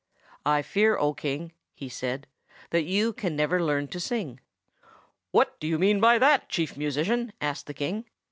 "I fear, O King," he said, "that you can never learn to sing." "What do you mean by that, Chief Musician?" asked the King.